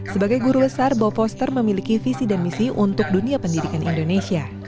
sebagai guru besar boposter memiliki visi dan misi untuk dunia pendidikan indonesia